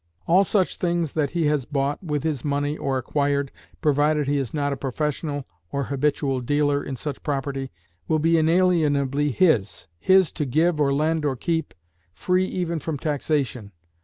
All such things that he has bought with his money or acquired provided he is not a professional or habitual dealer in such property will be inalienably his, his to give or lend or keep, free even from taxation.